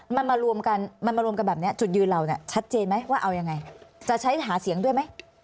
มันมารวมกันมันมารวมกันแบบนี้จุดยืนเราเนี่ยชัดเจนไหมว่าเอายังไงจะใช้หาเสียงด้วยไหม